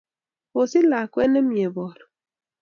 Kosich lakwet nemie bor